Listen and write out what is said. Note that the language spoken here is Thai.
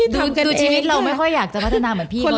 คือชีวิตเราไม่ค่อยอยากจะพัฒนาเหมือนพี่เลย